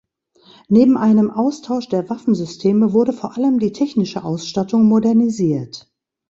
Neben einem Austausch der Waffensysteme wurde vor allem die technische Ausstattung modernisiert.